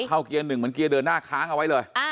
เกียร์หนึ่งเหมือนเกียร์เดินหน้าค้างเอาไว้เลย